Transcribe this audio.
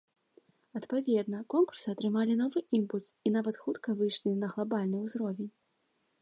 Адпаведна, конкурсы атрымалі новы імпульс, і нават хутка выйшлі на глабальны ўзровень.